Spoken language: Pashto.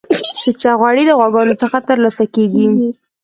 سوچه غوړی د غواګانو څخه ترلاسه کیږی